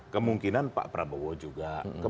kemungkinan pak prabowo juga